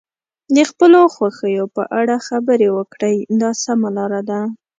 د خپلو خوښیو په اړه خبرې وکړئ دا سمه لاره ده.